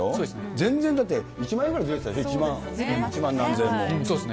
全然だって、１万円ぐらい出てたよね、そうですね。